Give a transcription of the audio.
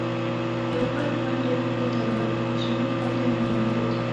یو غټ پنډ یې وتاړه او په جومات باندې ننوت.